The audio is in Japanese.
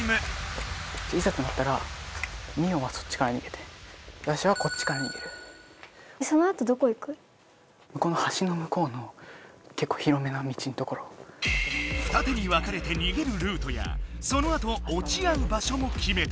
いざとなったら二手に分かれて逃げるルートやそのあとおち合う場所も決めた。